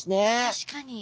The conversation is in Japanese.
確かに。